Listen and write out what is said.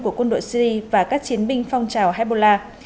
của quân đội syri và các chiến binh phong trào hezbollah